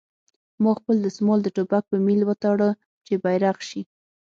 ما خپل دسمال د ټوپک په میل وتاړه چې بیرغ شي